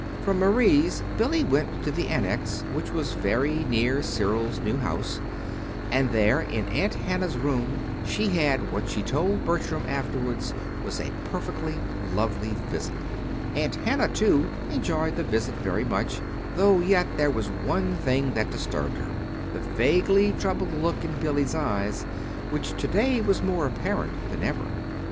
From Marie's, Billy went to the Annex, which was very near Cyril's new house; and there, in Aunt Hannah's room, she had what she told Bertram afterwards was a perfectly lovely visit. Aunt Hannah, too, enjoyed the visit very much, though yet there was one thing that disturbed her the vaguely troubled look in Billy's eyes, which to day was more apparent than ever.